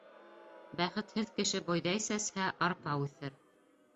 Бәхетһеҙ кеше бойҙай сәсһә, арпа үҫер.